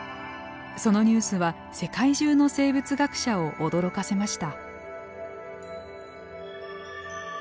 そのニュースは世界中の生物学者を驚かせました。